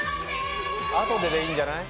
後ででいいんじゃない？